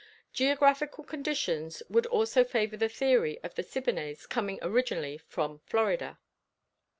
Geographical conditions would also favor the theory of the Siboneyes coming originally from Florida.